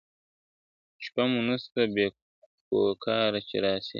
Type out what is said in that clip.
شپه مو نسته بې کوکاره چي رانه سې !.